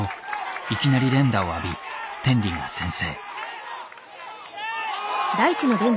いきなり連打を浴び天理が先制。